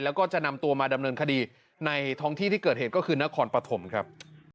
แล้วก็จะนำตัวมาดำเนินคดีในท้องที่ที่เกิดเหตุก็คือนครปฐมครับ